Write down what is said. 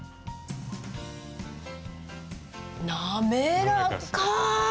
滑らか！